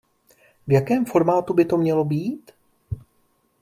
V jakém formátu by to mělo být?